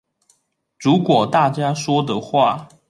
如果大家說的話